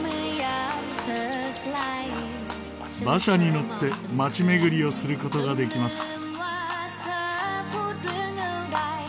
馬車に乗って町巡りをする事ができます。